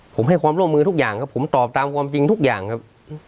ผมให้ความร่วมมือทุกอย่างครับผมตอบตามความจริงทุกอย่างครับ